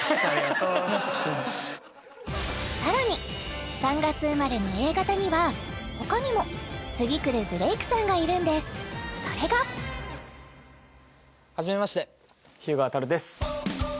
さらに３月生まれのＡ型にはほかにも次くるブレイクさんがいるんですそれが初めまして日向亘です